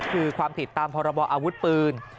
คือความผิดตามพรบออาวุธปืน